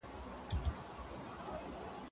په ماشومتوب به مور بورقه درواچوينه